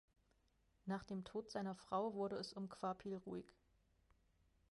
Nach dem Tod seiner Frau wurde es um Kvapil ruhig.